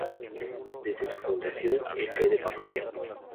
Desde su fundación es sede parroquial.